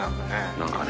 何かね。